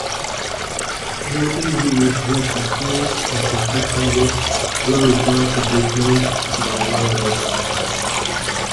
No injuries were sustained, and her passengers were returned to Brisbane by another vessel.